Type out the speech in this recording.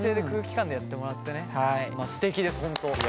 すてきです本当。